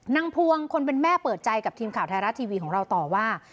พวงคนเป็นแม่เปิดใจกับทีมข่าวไทยรัฐทีวีของเราต่อว่า